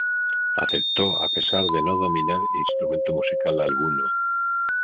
Aceptó a pesar de no dominar instrumento musical alguno.